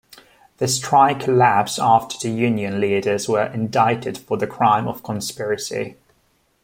The strike collapsed after the union leaders were indicted for the crime of conspiracy.